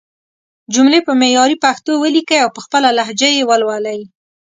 جملې په معياري پښتو وليکئ او په خپله لهجه يې ولولئ!